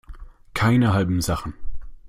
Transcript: Keine halben Sachen.